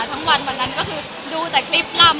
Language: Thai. ทั้งวันวันนั้นก็คือดูแต่คลิปล่ำ